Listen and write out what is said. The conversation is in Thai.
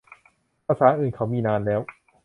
ภาษาอื่นเขามีนานแล้ว